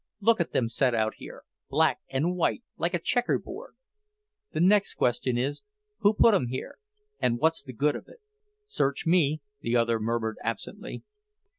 Look at them set out here, black and white, like a checkerboard. The next question is, who put 'em here, and what's the good of it?" "Search me," the other murmured absently.